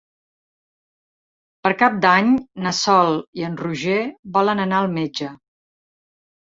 Per Cap d'Any na Sol i en Roger volen anar al metge.